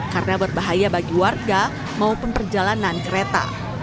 karena berbahaya bagi warga maupun perjalanan kereta